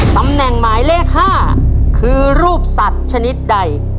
ตำแหน่งหมายเลข๕คือรูปสัตว์ชนิดใด